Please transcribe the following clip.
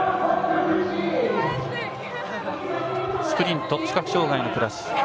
スプリント視覚障がいのクラス。